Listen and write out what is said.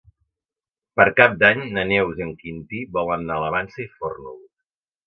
Per Cap d'Any na Neus i en Quintí volen anar a la Vansa i Fórnols.